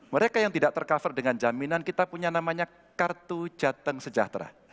mereka yang tidak tercover dengan jaminan kita punya namanya kartu jateng sejahtera